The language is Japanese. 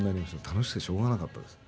楽しくてしょうがなかったです。